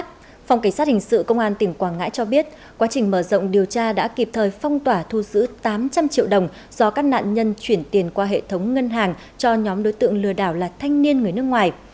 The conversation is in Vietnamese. phòng cảnh sát hình sự công an tỉnh quảng ngãi cho biết quá trình mở rộng điều tra đã kịp thời phong tỏa thu giữ tám trăm linh triệu đồng do các nạn nhân chuyển tiền qua hệ thống ngân hàng cho nhóm đối tượng lừa đảo là thanh niên người nước ngoài